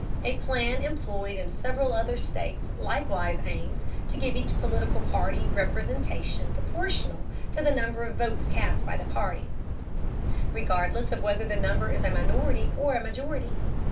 A plan employed in several other states likewise aims to give each political party representation proportional to the number of votes cast by the party, regardless of whether the number is a minority or a majority.